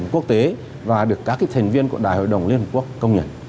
quốc tế và được các thành viên của đại hội đồng liên hợp quốc công nhận